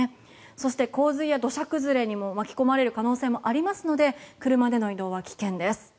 そして、洪水や土砂崩れにも巻き込まれる可能性もありますので車での移動は危険です。